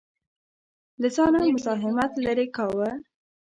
له ځانه مزاحمت لرې کاوه.